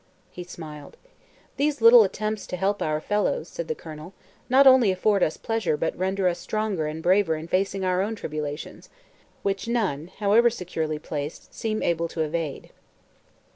He smiled. "These little attempts to help our fellows," said the Colonel, "not only afford us pleasure but render us stronger and braver in facing our own tribulations, which none, however securely placed, seem able to evade."